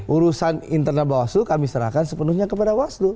urusan internal bawaslu kami serahkan sepenuhnya kepada bawaslu